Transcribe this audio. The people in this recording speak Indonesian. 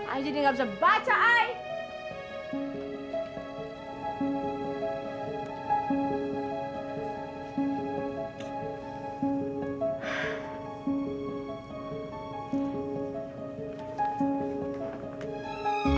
ayah jadi nggak bisa baca ayah